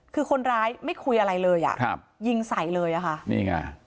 คือคนร้ายไม่คุยอะไรเลยอ่ะครับยิงใส่เลยอ่ะค่ะนี่ไง